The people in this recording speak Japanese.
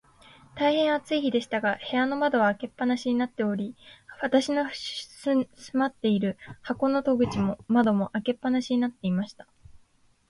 大へん暑い日でしたが、部屋の窓は開け放しになっており、私の住まっている箱の戸口も窓も、開け放しになっていました。